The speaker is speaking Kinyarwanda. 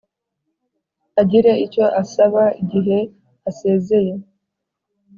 agire icyo asaba igihe asezeye